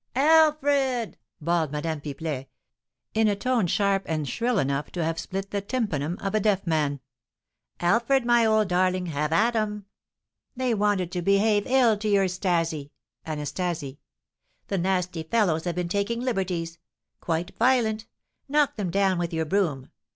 "Alfred!" bawled Madame Pipelet, in a tone sharp and shrill enough to have split the tympanum of a deaf man; "Alfred, my old darling, have at 'em! They wanted to behave ill to your 'Stasie (Anastasie)! The nasty fellows have been taking liberties, quite violent! Knock them down with your broom!